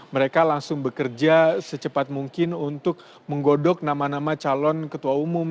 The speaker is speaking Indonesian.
mereka langsung bekerja secepat mungkin untuk menggodok nama nama calon ketua umum